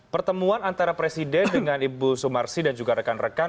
pertemuan antara presiden dengan ibu sumarsi dan juga rekan rekan